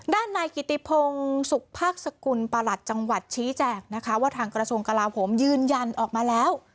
ด้านนายกิติพงศุกร์ภาคสกุลประหลัดจังหวัดชี้แจกนะคะว่าทางกระทรวงกลาโหมยืนยันออกมาแล้ว